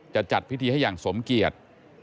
จะจัดพิธีให้อย่างสมเกียจ